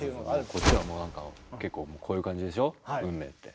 こっちはもうなんか結構こういう感じでしょ「運命」って。